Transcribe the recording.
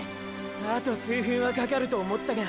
あと数分はかかると思ったが。